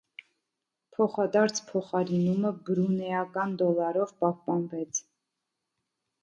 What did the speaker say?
Փոխադարձ փոխարինումը բրունեական դոլարով պահպանվեց։